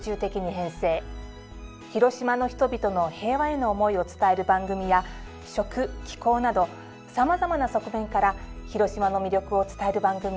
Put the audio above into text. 広島の人々の平和への思いを伝える番組や食・紀行などさまざまな側面から広島の魅力を伝える番組を放送しました。